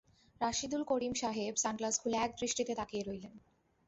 রাশেদুল করিম সাহেব সানগ্লাস খুলে একদৃষ্টিতে তাকিয়ে রইলেন।